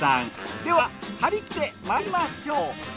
でははりきってまいりましょう。